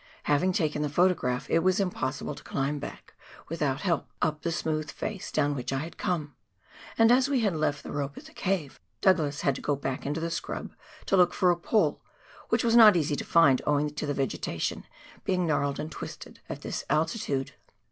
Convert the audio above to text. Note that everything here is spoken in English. Having taken the photograph, it was impossible to climb back, without help, up the smooth face down which I had come ; and as we had left the rope at the cave, Douglas had to go back into the scrub to look for a pole, which was not easy to find, owing to the vegetation being gnarled and twisted at this altitude.